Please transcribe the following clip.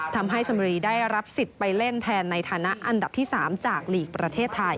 ทำให้ชมบุรีได้รับสิทธิ์ไปเล่นแทนในฐานะอันดับที่๓จากลีกประเทศไทย